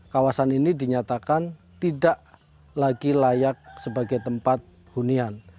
kawasan ini dinyatakan tidak lagi layak sebagai tempat hunian